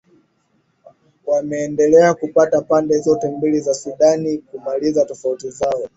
wameendelea kutaka pande zote mbili za sudan kumaliza tofauti zao